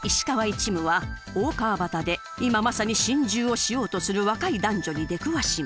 一夢は大川端で今まさに心中をしようとする若い男女に出くわします。